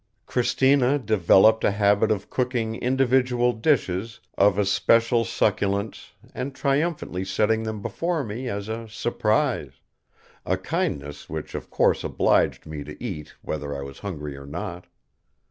Cristina developed a habit of cooking individual dishes of especial succulence and triumphantly setting them before me as a "surprise"; a kindness which of course obliged me to eat whether I was hungry or not.